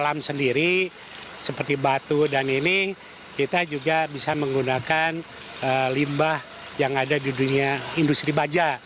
dalam sendiri seperti batu dan ini kita juga bisa menggunakan limbah yang ada di dunia industri baja